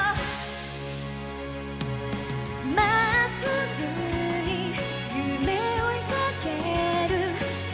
まっすぐに夢を追いかける